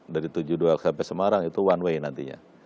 dari tujuh puluh dua sampai semarang itu one way nantinya